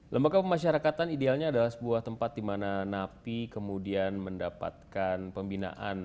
lembaga pemasyarakatan idealnya adalah sebuah tempat di mana napi kemudian mendapatkan pembinaan